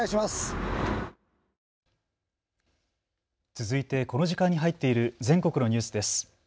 続いてこの時間に入っている全国のニュースです。